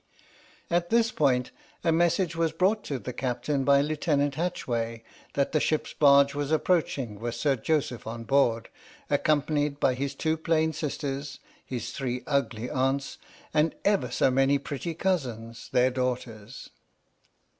At this point a message was brought to the Cap tain by Lieutenant Hatchway, that the ship's barge was approaching with Sir Joseph on board, accom panied by his two plain sisters, his three ugly aunts, 37 H.M.S. "PINAFORE" and ever so many pretty cousins, their daughters.